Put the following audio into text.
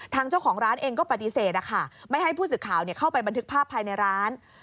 ทางเจ้าของร้านเองก็ปฏิเสธนะคะไม่ให้ผู้สื่อข่าวเข้าไปบันทึกภาพภายในร้าน